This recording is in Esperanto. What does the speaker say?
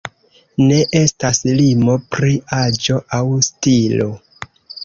Ne estas limo pri aĝo aŭ stilo.